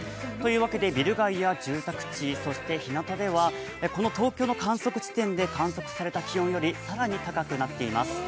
ビル街や住宅地、そしてひなたではこの東京の観測地で観測された気温よりかな高くなっています。